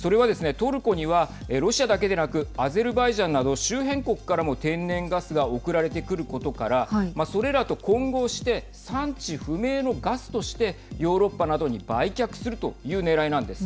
トルコにはロシアだけでなくアゼルバイジャンなど周辺国からも天然ガスが送られてくることからそれらと混合して産地不明のガスとしてヨーロッパなどに売却するというねらいなんです。